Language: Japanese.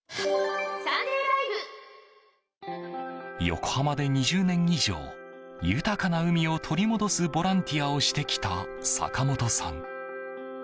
横浜で２０年以上豊かな海を取り戻すボランティアをしてきた坂本さん。